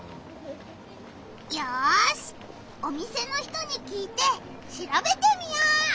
よしお店の人にきいてしらべてみよう！